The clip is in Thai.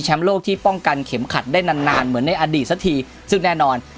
สำเร็จเหมือนสมัยก่อน